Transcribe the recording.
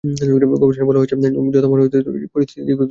গবেষণায় বলা হয়েছে, মনে হতে পারে পরিস্থিতিটা দীর্ঘদিন ধরে একই রকমই আছে।